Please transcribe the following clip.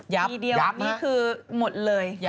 ยับยับฮะนี่คือหมดเลย